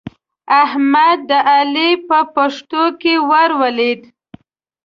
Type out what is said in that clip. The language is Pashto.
احمد د علي په پښتو کې ور ولوېد.